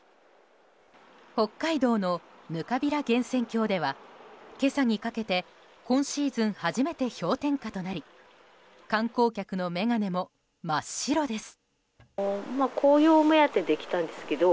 北海道のぬかびら源泉郷では今朝にかけて今シーズン初めて氷点下となり観光客の眼鏡も真っ白です。